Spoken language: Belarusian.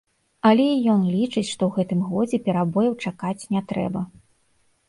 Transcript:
Але і ён лічыць, што ў гэтым годзе перабоеў чакаць не трэба.